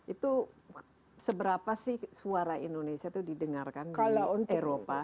itu seberapa sih suara indonesia itu didengarkan di eropa